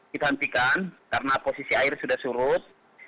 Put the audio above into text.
dihentikan karena posisi air sudah surut